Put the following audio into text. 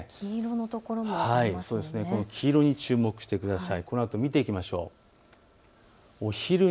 この黄色に注目してください。